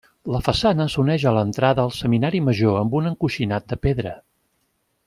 La façana s'uneix a l'entrada al seminari Major amb un encoixinat de pedra.